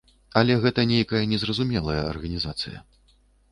Але гэта нейкая незразумелая арганізацыя.